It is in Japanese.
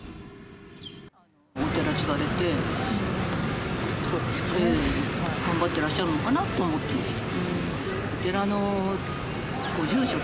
お寺継がれて、頑張ってらっしゃるのかなと思ってました。